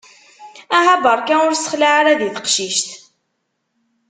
Aha barka ur ssexlaɛ ara di teqcict!